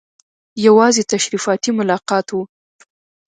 یوازې تشریفاتي ملاقات وو.